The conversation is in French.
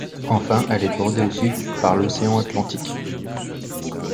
Enfin, elle est bordée au sud par l'Océan Atlantique.